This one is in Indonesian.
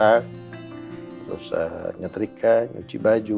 masak terus nyetirkan nyuci baju